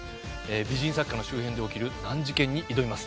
美人作家の周辺で起きる難事件に挑みます。